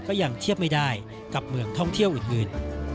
ก็ยังเทียบไม่ได้กับเมืองท่องเที่ยวอื่น